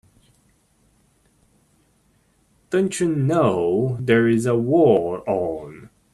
Don't you know there's a war on?